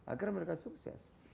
agar mereka sukses